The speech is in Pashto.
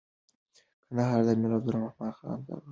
کندهار امیر عبدالرحمن خان ته سپارل سوی وو.